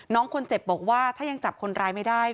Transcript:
น้องคนเจ็บบอกว่าถ้ายังจับคนร้ายไม่ได้